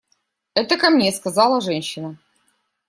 – Это ко мне, – сказала женщина.